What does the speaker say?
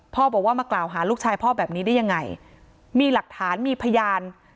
บอกว่ามากล่าวหาลูกชายพ่อแบบนี้ได้ยังไงมีหลักฐานมีพยาน